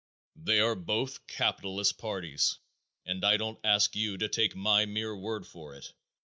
They are both capitalist parties and I don't ask you to take my mere word for it.